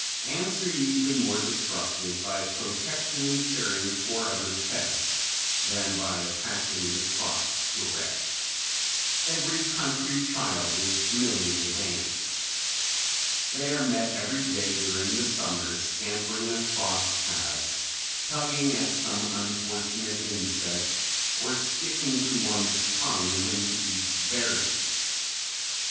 Ants are usually more destructive by protecting and caring for other pests than by attacking the crop direct. Every country child is familiar with ants. They are met every day during the summer, scampering across paths, tugging at some unfortunate insect, or sticking to one's tongue when he eats berries.